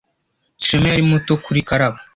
shema yari muto kuri karabo